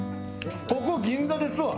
ここ銀座ですわ。